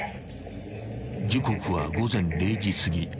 ［時刻は午後０時すぎ］